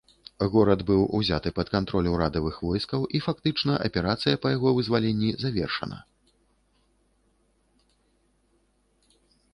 Горад быў узяты пад кантроль урадавых войскаў і фактычна аперацыя па яго вызваленні завершана.